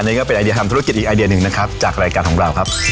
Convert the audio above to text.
นี่ก็เป็นไอเดียทำธุรกิจอีกไอเดียหนึ่งนะครับจากรายการของเราครับ